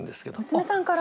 娘さんから。